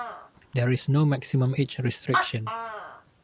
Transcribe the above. There is no maximum age restriction.